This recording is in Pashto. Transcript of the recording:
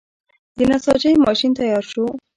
د نساجۍ ماشین تیار شو.